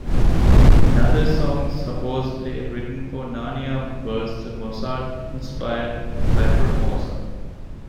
Another song supposedly written for "Narnia" was the Mozart-inspired "Lacrymosa".